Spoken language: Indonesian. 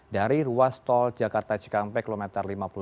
dari ruas tol jakarta cikampek kilometer lima puluh delapan